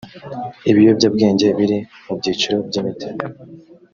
ibiyobyabwenge biri mu byiciro by imiti